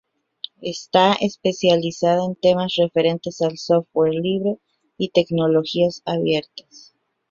Está especializada en temas referentes al software libre y tecnologías abiertas.